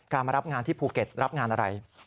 มารับงานที่ภูเก็ตรับงานอะไร